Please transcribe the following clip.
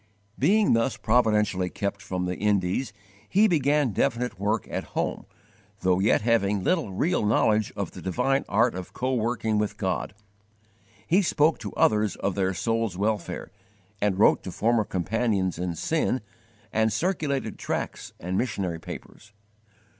Being thus providentially kept from the Indies, he began definite work at home, though yet having little real knowledge of the divine art of coworking with God. He spoke to others of their soul's welfare, and wrote to former companions in sin, and circulated tracts and missionary papers.